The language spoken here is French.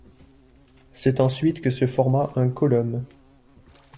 C'est ensuite que se formera un cœlome.